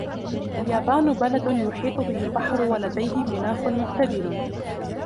اليابان بلد يحيط به البحر و ليده مناخ معتدل.